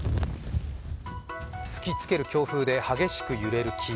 吹きつける強風で激しく揺れる木。